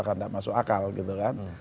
kan tidak masuk akal gitu kan